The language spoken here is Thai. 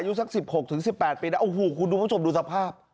ยุคสักสิบหกถึงสิบแปดปีแล้วโอ้หูคุณดูผู้ชมดูสภาพ